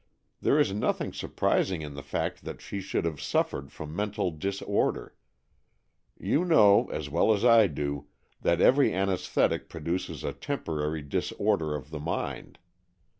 There is nothing sur prising in the fact that she should have suffered from mental disorder. You know, as well as I do, that every anaesthetic pro duces a temporary disorder of the mind.